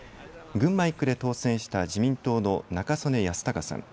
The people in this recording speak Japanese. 群馬１区で当選した自民党の中曽根康隆さん